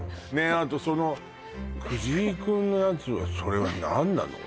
あとその藤井君のやつはそれは何なの？